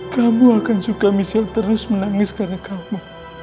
kamu akan suka misal terus menangis karena kamu